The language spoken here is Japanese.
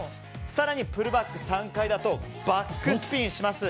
更にプルバック３回だとバックスピンします。